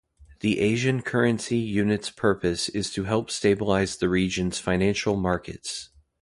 The Asian Currency Unit's purpose is to help stabilise the region's financial markets.